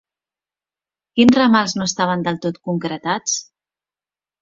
Quins ramals no estaven del tot concretats?